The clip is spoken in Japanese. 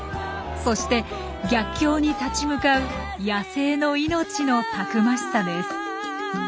そして逆境に立ち向かう野生の命のたくましさです。